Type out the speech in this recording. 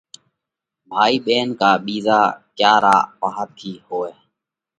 ڀائِي ٻينَ ڪا ٻِيزا ڪياڪ را پاها ٿِي هوئہ۔